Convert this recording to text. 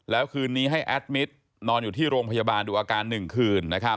แล้วคืนนี้ให้แอดมิตรนอนอยู่ที่โรงพยาบาลดูอาการ๑คืน